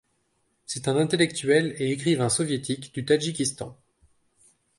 C'est un intellectuel et écrivain soviétique du Tadjikistan.